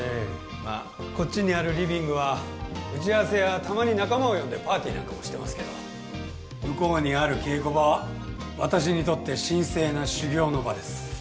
まあこっちにあるリビングは打ち合わせやたまに仲間を呼んでパーティーなんかもしてますけど向こうにある稽古場は私にとって神聖な修業の場です